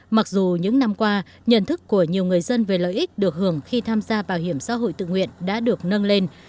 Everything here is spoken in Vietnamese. mặc dù những năm qua nhận thức của nhiều người dân về lợi ích được hưởng khi tham gia bảo hiểm xã hội tự nguyện đã được nâng lên